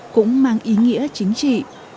cũng mang ý nghĩa chính trị